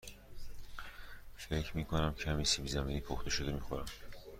فکر می کنم کمی سیب زمینی پخته شده می خورم.